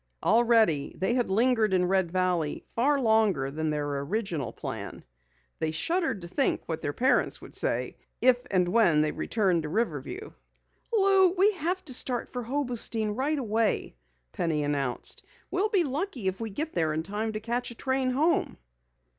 Already they had lingered in Red Valley far longer than their original plan. They shuddered to think what their parents would say if and when they returned to Riverview. "Lou, we have to start for Hobostein right away!" Penny announced. "We'll be lucky if we get there in time to catch a train home."